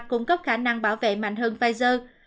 cung cấp khả năng bảo vệ mạnh hơn pfizer